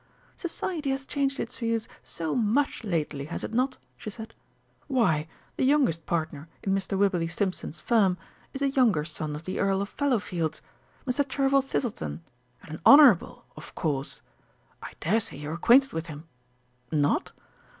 "Society has changed its views so much lately, has it not?" she said. "Why, the youngest partner in Mr. Wibberley Stimpson's firm is a younger son of the Earl of Fallowfields Mr. Chervil Thistleton, and an Honourable, of course! I daresay you are acquainted with him?... Not?